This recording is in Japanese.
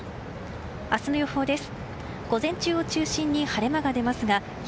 明日の予報です。